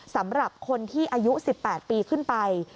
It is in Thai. สำหรับคนที่อายุ๑๘ปีขึ้นไป